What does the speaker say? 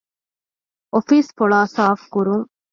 އޮފީސް ފޮޅާ ސާފުކުރުން